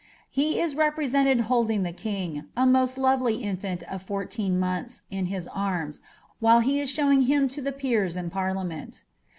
* [e is represented holding the king, a most lovely infant of fourteen months ohi, in his arms, while he is showing him to the peers in par liament.